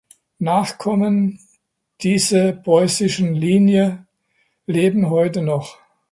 Nachkommen diese preußischen Linie leben heute noch.